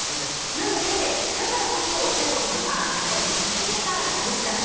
なので、だからこそ世耕さんは説明が大事だと。